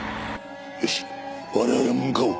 よし我々も向かおう。